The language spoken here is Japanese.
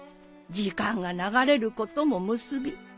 時間が流れることもムスビ。